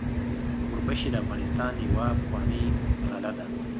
وربشې د افغانستان یوه پخوانۍ غله ده.